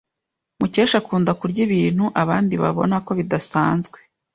Mukesha akunda kurya ibintu abandi babona ko bidasanzwe.